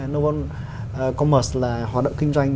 novocommerce là hoạt động kinh doanh